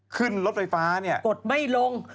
ขึ้นลดไฟฟ้าเนี่ยให้ลองก๊อตไม่ลง